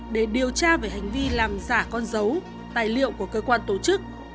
để điều tra về hành vi làm giả con dấu tài liệu của cơ quan tổ chức